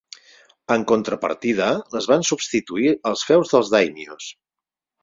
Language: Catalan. En contrapartida, les van substituir els feus dels dàimios.